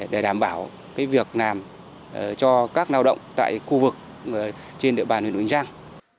để đảm bảo việc làm cho các lao động tại khu vực trên địa bàn huyện bình giang